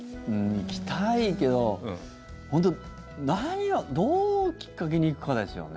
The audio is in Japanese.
行きたいけど何をきっかけに行くかですよね。